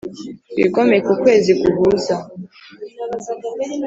'wigomeke ukwezi guhuza